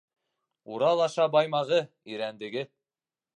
Урал аша Баймағы, Ирәндеге!